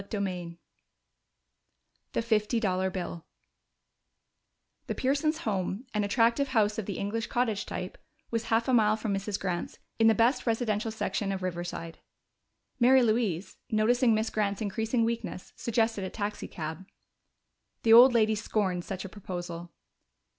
CHAPTER IX The Fifty Dollar Bill The Pearsons' home, an attractive house of the English cottage type, was half a mile from Mrs. Grant's, in the best residential section of Riverside. Mary Louise, noticing Miss Grant's increasing weakness, suggested a taxicab. The old lady scorned such a proposal.